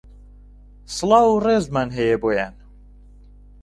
سڵاو و رێزمان هەیە بۆیان